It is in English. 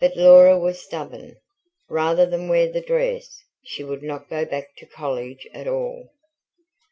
But Laura was stubborn: rather than wear the dress, she would not go back to the College at all.